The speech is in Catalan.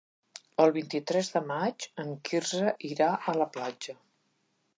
El vint-i-tres de maig en Quirze irà a la platja.